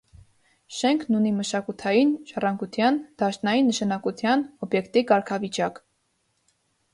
Շենքն ունի մշակութային ժառանգության դաշնային նշանակության օբյեկտի կարգավիճակ։